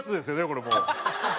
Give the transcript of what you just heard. これもう。